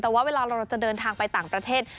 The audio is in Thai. แต่ว่าเวลาเราจะเดินทางไปต่างประเทศ